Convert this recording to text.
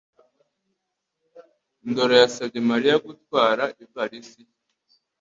ndoro yasabye Mariya gutwara ivalisi ye